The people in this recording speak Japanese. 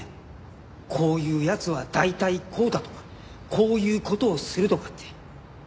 こういう奴は大体こうだとかこういう事をするとかって。